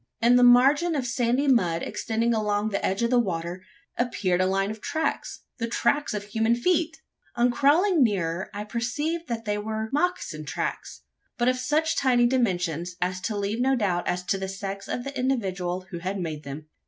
In the margin of sandy mud extending along the edge of the water, appeared a line of tracks the tracks of human feet! On crawling nearer, I perceived that they were mocassin tracks, but of such tiny dimensions, as to leave no doubt as to the sex of the individual who had made them.